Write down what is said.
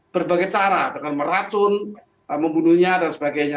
berbagai cara dengan meracun membunuhnya dan sebagainya